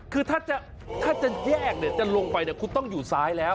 คือถ้าจะแยกเนี่ยจะลงไปเนี่ยคุณต้องอยู่ซ้ายแล้ว